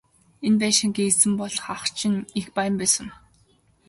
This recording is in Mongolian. Энэ байшингийн эзэн болох ах чинь их баян байсан.